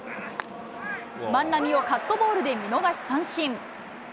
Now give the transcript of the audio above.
万波をカットボールで見逃し三振。